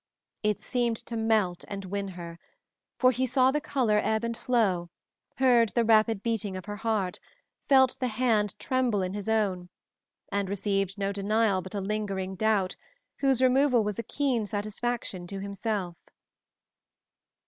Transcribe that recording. It seemed to melt and win her, for he saw the color ebb and flow, heard the rapid beating of her heart, felt the hand tremble in his own, and received no denial but a lingering doubt, whose removal was a keen satisfaction to himself.